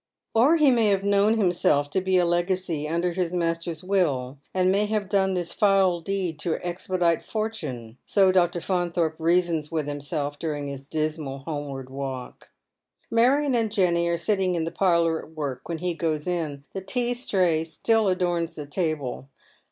Or he may have known himself to be a legatee under his master's will, and may have done this foul deed to expedite fortune. So Dr. Faunthorpe reasons with himself during his dismal homeward waOv. Marion and Jenny are sitting in the parlour at work when he goes in. The tea tray still adorns the table.